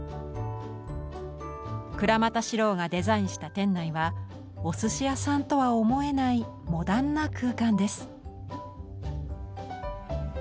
倉俣史朗がデザインした店内はお寿司屋さんとは思えないモダンな空間です。